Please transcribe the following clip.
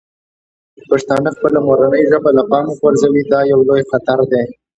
پښتانه خپله مورنۍ ژبه له پامه غورځوي او دا یو لوی خطر دی.